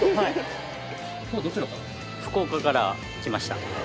福岡から来ました。